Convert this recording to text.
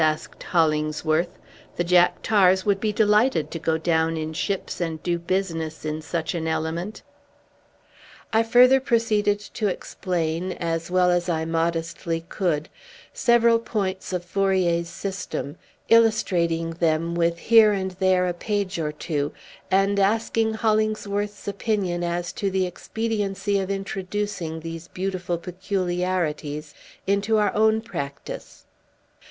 asked Hollingsworth. "The jack tars would be delighted to go down in ships and do business in such an element." I further proceeded to explain, as well as I modestly could, several points of Fourier's system, illustrating them with here and there a page or two, and asking Hollingsworth's opinion as to the expediency of introducing these beautiful peculiarities into our own practice.